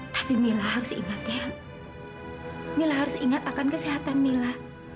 tapi mila harus ingat ya mila harus ingat akan kesehatan mila